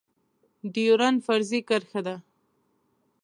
ډيورنډ فرضي کرښه ده